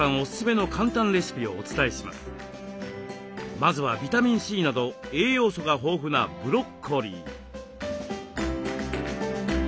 まずはビタミンＣなど栄養素が豊富なブロッコリー。